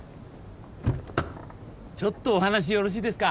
ちょっとお話よろしいですか？